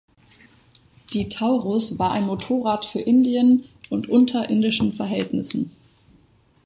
Die Taurus war ein Motorrad für Indien und unter indischen Verhältnissen.